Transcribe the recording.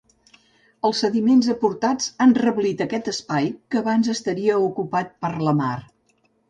Els sediments aportats han reblit aquest espai que abans estaria ocupat per la mar.